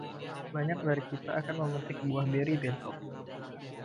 Banyak dari kita akan memetik buah beri besok.